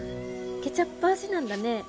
ケチャップ味なんだね。